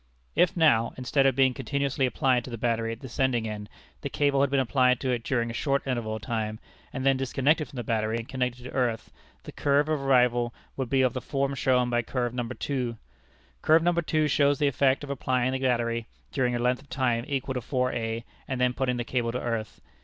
If now, instead of being continuously applied to the battery at the sending end, the cable had been applied to it during a short interval of time, and then disconnected from the battery and connected to earth, the curve of arrival would be of the form shown by curve No. II. Curve No. II. shows the effect of applying the battery during a length of time equal to 4_a_, and then putting the cable to earth.